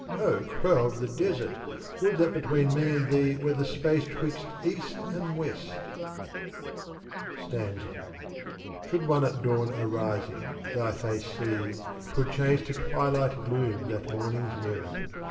O crow of the desert/ would that between me and thee were the space ^tunxt east and west/ " Stanza, Should one at dawn arising thy face see, Twould change to twilight gloom that morning's mirth.